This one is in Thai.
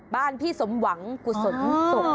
บ้านพี่สมหวังกุศมสม